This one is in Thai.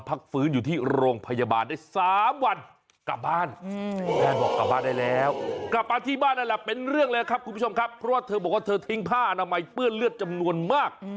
เพราะว่าเธอบอกว่าเธอทิ้งพ่อนามัยเปื้อเลือดจำนวนมาก